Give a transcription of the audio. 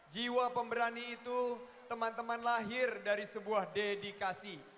jiwa pemberani itu teman teman lahir dari sebuah dedikasi